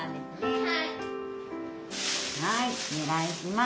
はいお願いします。